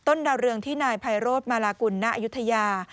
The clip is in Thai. ต้นดาวเรืองที่นายภาโรศมาราคุณนาอยุธยา